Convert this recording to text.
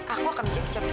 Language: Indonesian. aku akan dicabit cabit